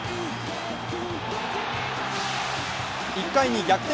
１回に逆転